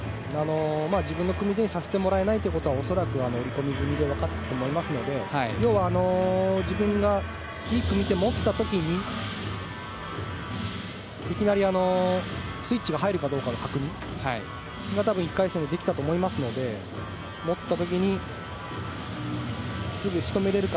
自分の組み手をさせてもらえないことは恐らく織り込み済みでわかっていると思いますので自分がいい組み手を持った時にいきなりスイッチが入るかどうかの確認が多分１回戦でできたと思いますので持った時にすぐ仕留められるか。